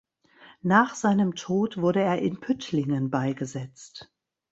Nach seinem Tod wurde er in Püttlingen beigesetzt.